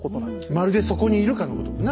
まるでそこにいるかのごとくな。